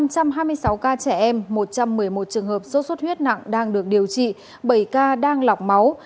năm trăm hai mươi sáu ca trẻ em một trăm một mươi một trường hợp sốt xuất huyết nặng đang được điều trị bảy ca đang lọc máu